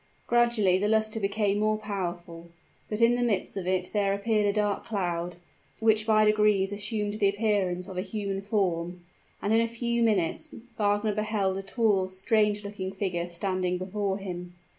Gradually the luster became more powerful; but in the midst of it there appeared a dark cloud, which by degrees assumed the appearance of a human form; and in a few minutes Wagner beheld a tall, strange looking figure standing before him.